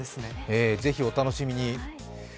ぜひお楽しみに。